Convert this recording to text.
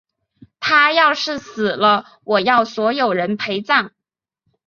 她要是死了，我要所有人陪葬！